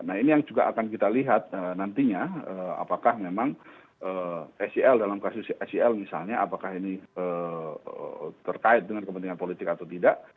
nah ini yang juga akan kita lihat nantinya apakah memang sel dalam kasus sel misalnya apakah ini terkait dengan kepentingan politik atau tidak